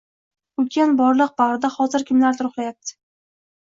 Ulkan borliq bagʻrida hozir kimlardir uxlayapti